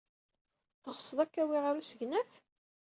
Teɣsed ad k-awiɣ ɣer usegnaf?